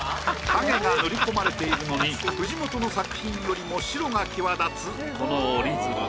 影が塗り込まれているのに藤本の作品よりも白が際立つこの折り鶴。